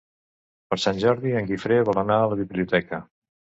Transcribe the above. Per Sant Jordi en Guifré vol anar a la biblioteca.